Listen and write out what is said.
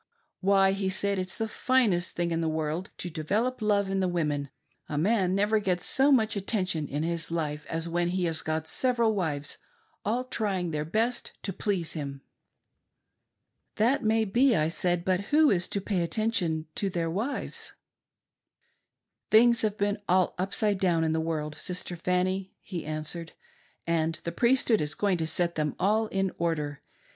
Why," he said, " it's the finest thing in the world to develop love in the women ; a man never gets so much attention in his life as when he has got several wives all trying their best to please him." " That may be," I said, " but who is to pay attention to their wives ?"" Things have been all upside down in the world, Sister Fanny," he answered, " and the Priesthood is going to set them all in order.